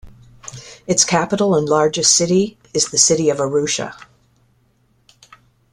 Its capital and largest city is the city of Arusha.